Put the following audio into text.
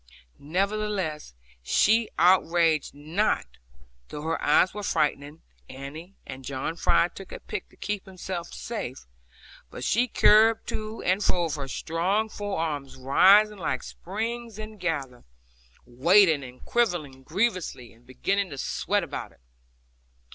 Nevertheless, she outraged not, though her eyes were frightening Annie, and John Fry took a pick to keep him safe; but she curbed to and fro with her strong forearms rising like springs ingathered, waiting and quivering grievously, and beginning to sweat about it.